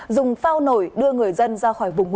dùng phao nổi đưa người dân ra